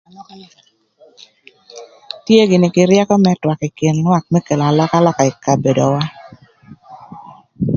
Tye gïnï kï ryëkö më twak ï kin lwak më kelo alökalöka ï kabedowa.